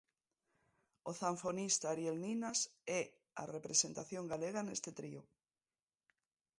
O zanfonista Ariel Ninas é a representación galega neste trío.